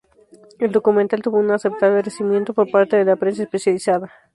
El documental tuvo un aceptable recibimiento por parte de la prensa especializada.